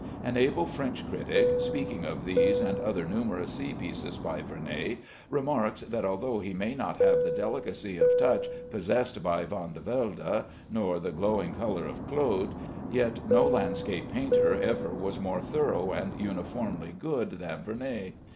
An able French critic, speaking of these and other numerous sea pieces by Vernet, remarks that although he may not have the delicacy of touch possessed by Vandevelde, nor the glowing color of Claude, yet no landscape painter ever was more thorough and uniformly good than Vernet.